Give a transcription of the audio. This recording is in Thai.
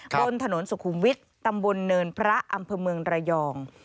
บนถนนสุขุมวิทย์ตำบลเนินพระอำเภอเมืองระยอง